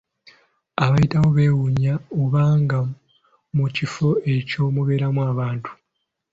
Abayitawo bewuunya oba nga mu kifo ekyo mubeeramu abantu.